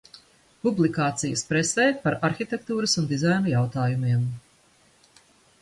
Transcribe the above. Publikācijas presē par arhitektūras un dizaina jautājumiem.